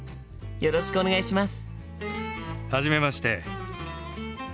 よろしくお願いします。